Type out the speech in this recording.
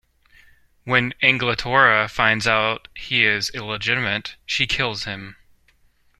When Anglitora finds out he is illegitimate, she kills him.